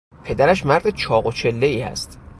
پدرش مرد چاق و چلهای است.